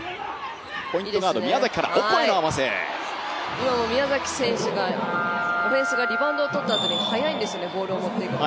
今、宮崎選手がオフェンスがリバウンドをとったあとに速いんですね、ボールを持っていくの。